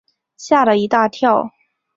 吓了一大跳